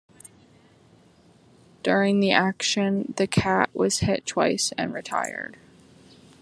During the action, the 'Cat' was hit twice and retired.